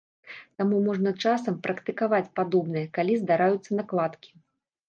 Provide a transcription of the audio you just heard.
Таму можна часам практыкаваць падобнае, калі здараюцца накладкі.